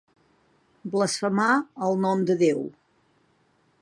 Blasfemar el nom de Déu.